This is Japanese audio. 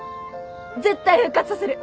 絶対復活させる！